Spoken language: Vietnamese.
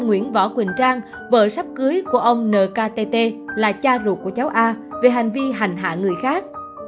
nguyễn võ quỳnh trang vợ sắp cưới của ông nkt là cha ruột của cháu a về hành vi hành hạ người khác